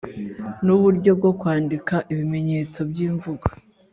n’uburyo bwo kwandika ibimenyetso by’imvugo.